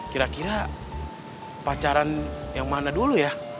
kira kira pacaran yang mana dulu ya